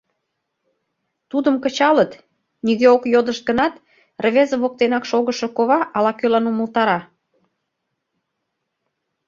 Тудым кычалыт, — нигӧ ок йодышт гынат, рвезе воктенак шогышо кова ала-кӧлан умылтара.